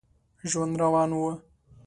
ژوند روان و.